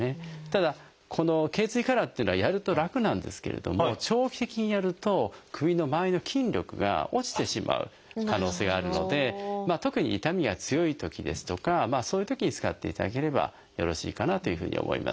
ただこの頚椎カラーっていうのはやると楽なんですけれども長期的にやると首のまわりの筋力が落ちてしまう可能性があるので特に痛みが強いときですとかそういうときに使っていただければよろしいかなというふうに思います。